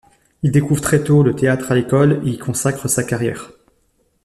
Il découvre très tôt le théâtre à l'école et y consacre sa carrière.